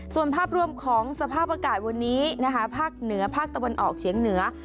ส่วนภาพรวมของสภาพอากาศวันนี้นะคะภาคเหนือภาคตะวันออกเฉียงเหนือ